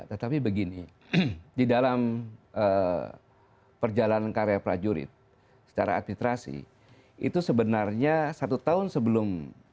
tetapi begini di dalam perjalanan karya prajurit secara administrasi itu sebenarnya satu tahun sebelum